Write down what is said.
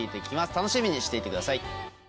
楽しみにしていてください。